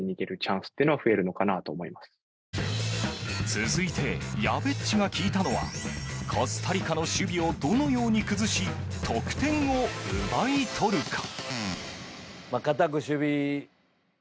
続いて、やべっちが聞いたのはコスタリカの守備をどのように崩し得点を奪い取るか。